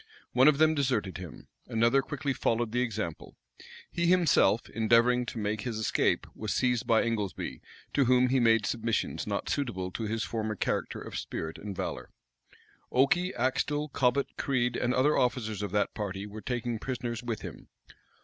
One of them deserted him. Another quickly followed the example. He himself, endeavoring to make his escape, was seized by Ingoldsby, to whom he made submissions not suitable to his former character of spirit and valor. Okey, Axtel, Cobbet, Crede, and other officers of that party, were taken prisoners with him.